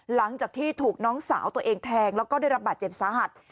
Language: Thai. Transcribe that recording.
หลังจากที่ถูกน้องสาวตัวเองแทงแล้วก็ได้รับบาดเจ็บสาหัส